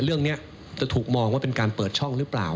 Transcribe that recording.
เรื่องนี้จะถูกมองว่าเป็นการเปิดช่องหรือเปล่า